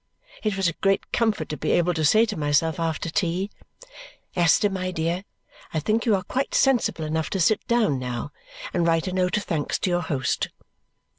It was a great comfort to be able to say to myself after tea, "Esther, my dear, I think you are quite sensible enough to sit down now and write a note of thanks to your host."